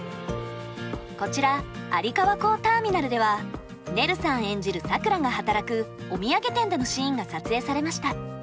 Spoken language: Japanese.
こちら有川港ターミナルではねるさん演じるさくらが働くお土産店でのシーンが撮影されました。